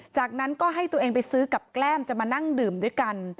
จากนั้นก็ให้ตัวเองไปซื้อกับแกล้มจะมานั่งดื่มด้วยกัน